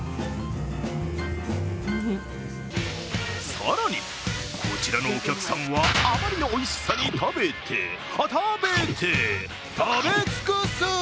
更に、こちらのお客さんはあまりのおいしさに食べて、食べて、食べ尽くす。